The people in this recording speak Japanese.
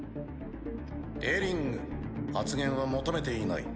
デリング発言は求めていない。